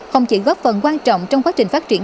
không chỉ góp phần quan trọng trong quá trình phát triển